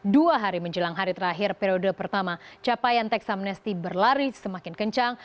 dua hari menjelang hari terakhir periode pertama capaian teks amnesti berlari semakin kencang